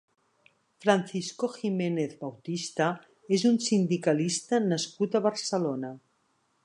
Francisco Giménez Bautista és un sindicalista nascut a Barcelona.